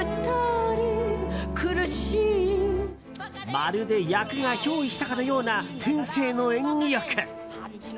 まるで役が憑依したかのような天性の演技力。